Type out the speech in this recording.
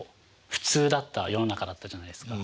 普通だった世の中だったじゃないですか。